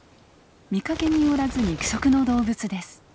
見かけによらず肉食の動物です。